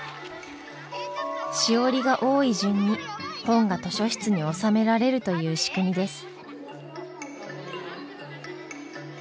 しおりが多い順に本が図書室に納められるという仕組みです。